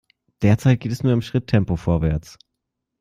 Derzeit geht es nur im Schritttempo vorwärts.